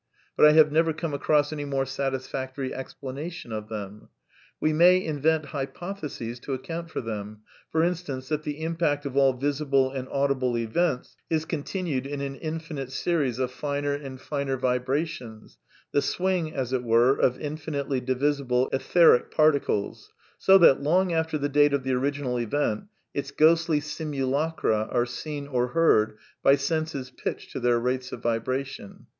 But I have never come across any more satisfactory explanation of them. We may invent hypotheses to account for them: for instance, thait the impact of all visible and audible events is con tinued in an infinite series of finer and finer vibrations, the swing, as it were, of infinitely divisible etheric par ticles ; so that, long after the date of the original event, its ghostly simulacra are seen or heard by senses pitched to their rates of vibration.